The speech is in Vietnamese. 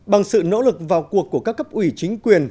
bằng sự nỗ lực vào cuộc của các cấp ủy chính quyền